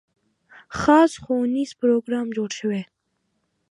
خاص ښوونیز پروګرام جوړ شوی.